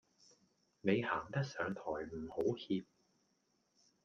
你行得上台唔好怯